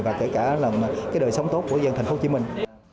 và kể cả là cái đời sống tốt của dân thành phố hồ chí minh